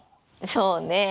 そうね。